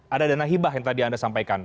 ada dana hibah yang tadi anda sampaikan